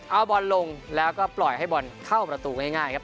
เอาบอลลงแล้วก็ปล่อยให้บอลเข้าประตูง่ายครับ